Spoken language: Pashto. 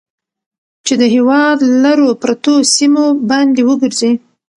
چې د هېواد لرو پرتو سيمو باندې وګرځي.